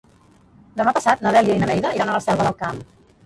Demà passat na Dèlia i na Neida iran a la Selva del Camp.